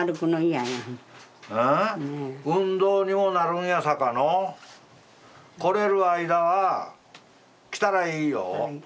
運動にもなるんやさかのう来れる間は来たらいいよ。